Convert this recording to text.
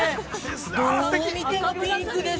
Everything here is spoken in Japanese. どう見てもピンクです。